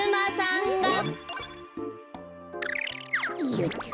よっと。